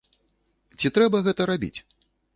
Ці трэба гэта рабіць?